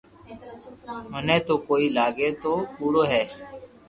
مني تو ڪوئي لاگي تو تو ڪوڙو ھي